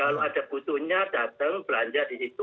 kalau ada butuhnya datang belanja di situ